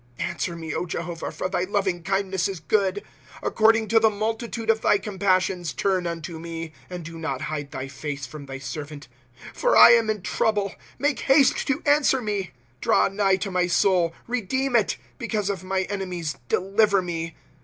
i« Answer me, Jehovah, for thy loving kindness is good; According to the multitude of thy compassions turn unto me. ^' And do not hide thy face from thy servant ; For I am in trouble, — make haste to answer me. ^^ Draw nigh to my soul, redeem it ; Because of my enemies deliver me.